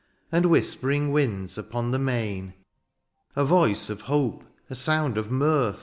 And whispering winds upon the main. A voice of hope, a sound of mirth.